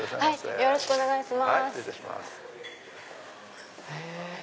よろしくお願いします。